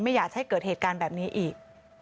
ไม่อยากให้เกิดเหตุการณ์แบบนี้อีก